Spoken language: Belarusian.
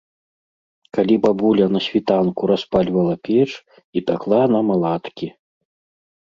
Калі бабуля на світанку распальвала печ і пякла нам аладкі.